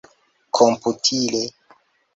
komputile